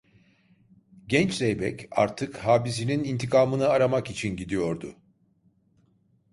Genç zeybek artık habisinin intikamını aramak için gidiyordu.